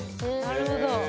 なるほど。